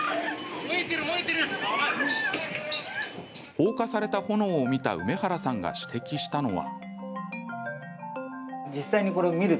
放火された炎を見た梅原さんが指摘したのは。